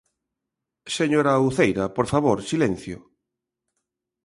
Señora Uceira, por favor, silencio.